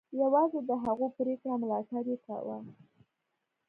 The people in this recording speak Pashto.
یوازې د هغو پرېکړو ملاتړ یې کاوه.